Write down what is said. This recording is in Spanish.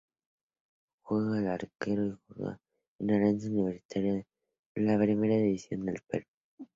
Juega de arquero y juega en Alianza Universidad de la Primera División del Perú.